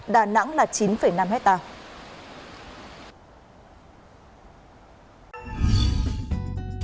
đà nẵng là chín năm hecta